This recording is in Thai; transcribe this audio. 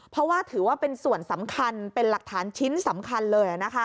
เพราะว่าถือว่าเป็นส่วนสำคัญเป็นหลักฐานชิ้นสำคัญเลย